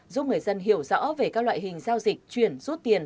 giúp người dân hiểu rõ về các loại hình giao dịch chuyển rút tiền